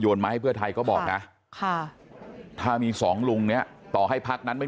มาให้เพื่อไทยก็บอกนะถ้ามีสองลุงเนี่ยต่อให้พักนั้นไม่